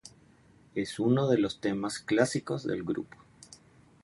Es uno de los temas clásicos del grupo.